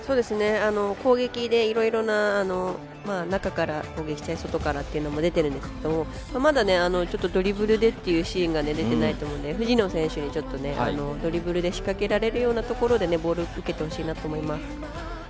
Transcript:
攻撃で、いろいろな中から攻撃のチャンスが出てるんですけどまだ、ドリブルでっていうシーンが出ていないと思うので藤野選手に、ドリブルで仕掛けられるようなところでボールを受けてほしいなと思います。